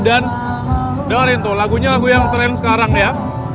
dan dengerin tuh lagunya lagu yang trend sekarang ya